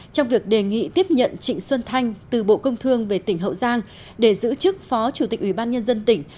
trong việc đề nghị tiếp nhận trịnh xuân thanh từ bộ công thương về tỉnh hậu giang để giữ chức phó chủ tịch ủy ban nhân dân tỉnh